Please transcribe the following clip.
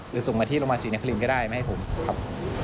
หรือส่งมาที่ลมศรีนครีมก็ได้ไม่ให้ผมครับ